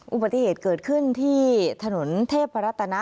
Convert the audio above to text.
อุบัติเหตุเกิดขึ้นที่ถนนเทพรัตนะ